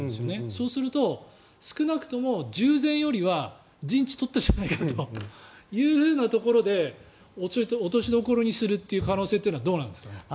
そうすると少なくとも従前は陣地を取ってしまえというところで落としどころにする可能性はどうなんですか。